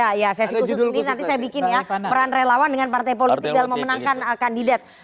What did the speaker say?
iya sesi khusus ini nanti saya bikin ya peran relawan dengan partai politik dalam memenangkan kandidat